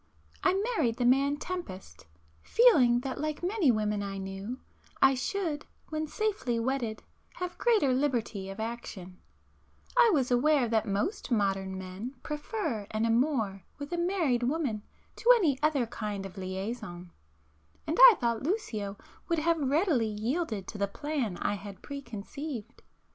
I married the man Tempest, feeling that like many women I knew, I should when safely wedded, have greater liberty of action,—I was aware that most modern men prefer an amour with a married woman to any other kind of liaison,—and I thought Lucio would have readily yielded to the plan I had pre conceived.